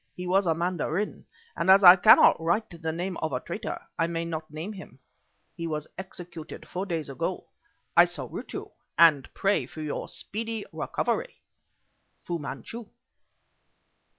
He was a mandarin, and as I cannot write the name of a traitor, I may not name him. He was executed four days ago. I salute you and pray for your speedy recovery. Fu Manchu.